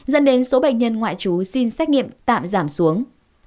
dẫn đến số bệnh nhân ngoại trú xin xét nghiệm tạm giảm xuống